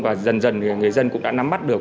và dần dần thì người dân cũng đã nắm mắt được